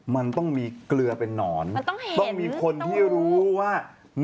มันต้องมีเกลือเป็นนอนต้องมีคนที่รู้ว่า